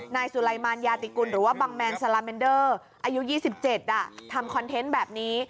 นายสุไลมารยาติกุลหรือว่าบังแมนซาลาเมนเดอร์อายุ๒๗ทำคอนเทนต์แบบนี้